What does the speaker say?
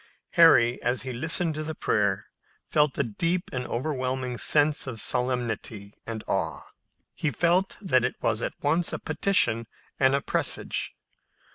Harry, as he listened to the prayer, felt a deep and overwhelming sense of solemnity and awe. He felt that it was at once a petition and a presage.